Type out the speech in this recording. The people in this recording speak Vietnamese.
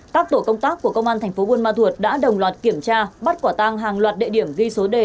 các tổ công tác của công an tp bộ mạng thuận đã đồng loạt kiểm tra bắt quả tăng hàng loạt địa điểm ghi số đề